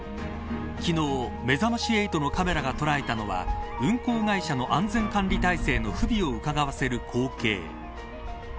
昨日、めざまし８のカメラが捉えたのは運航会社の安全管理体制の不備をうかがわせる光景。